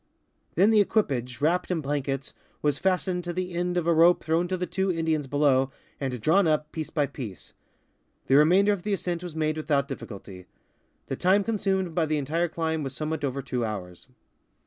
Then the equipage, wrapped in blankets, was fastened to the end of a rope throwai to the two Indians below and drawn up, piece by piece. The remainder of the ascent was made without difficulty. The time consumed by the entire climb was somewhat over two hours.